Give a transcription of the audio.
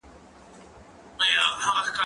هغه څوک چي لیکل کوي پوهه زياتوي؟